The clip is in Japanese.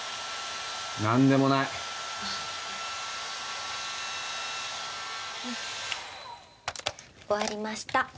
なんでもない終わりました